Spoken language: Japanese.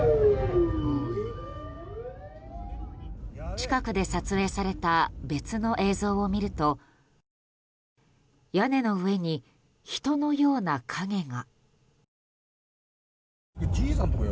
近くで撮影された別の映像を見ると屋根の上に人のような影が。